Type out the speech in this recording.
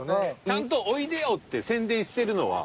ちゃんと「おいでよ」って宣伝してるのは。